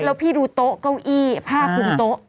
แล้วพี่ดูโต๊ะเวลาเก้าอี้ภาพกลุ่มโต๊ะ